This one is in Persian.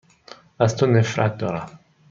از تو نفرت دارم.